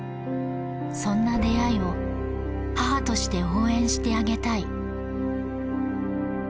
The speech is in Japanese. そんな出会いを母として応援してあげたい